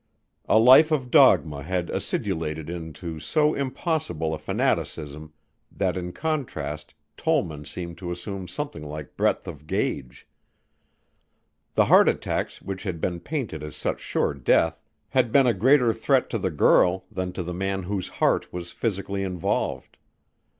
A life of dogma had acidulated into so impossible a fanaticism that in contrast Tollman seemed to assume something like breadth of gauge. The heart attacks which had been painted as such sure death had been a greater threat to the girl than to the man whose heart was physically involved.